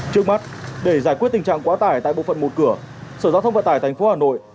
trước mắt để giải quyết tình trạng quá tải tại bộ phận một cửa sở giao thông vận tải tp hà nội